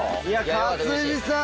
勝地さん！